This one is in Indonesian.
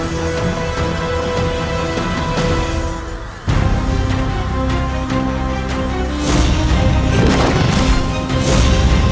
aku menyesal terhadap pria seperti ini